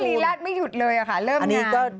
ก็รีลักษณ์ไม่หยุดเลยค่ะเริ่มนาน